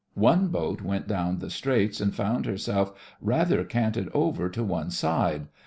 One boat went down the Straits and found herself rather canted over to one side.